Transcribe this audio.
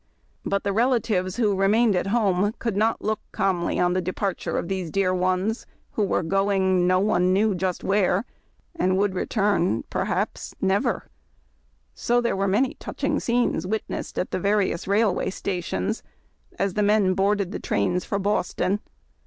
But their relatives who remained at home could not look calmly on the departure of these dear ones, who were going no one knew just where, and would return — perhaps never; so there were many touching scenes witnessed at the various railway stations, as the men boarded the trains for Boston.